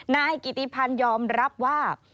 นายกิติพันธ์ยอมรับว่า